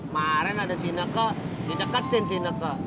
maren ada si naka didekatin si naka